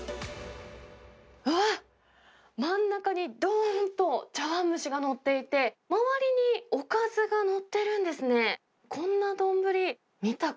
あっ、真ん中にどーんと茶わん蒸しが載っていて、周りにおかずが載っているんですね。